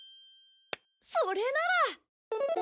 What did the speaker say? それなら。